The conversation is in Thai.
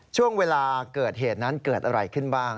ช่วงเวลาเกิดเหตุนั้นเกิดอะไรขึ้นบ้าง